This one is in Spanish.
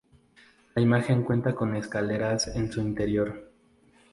La imagen cuenta con escaleras en su interior.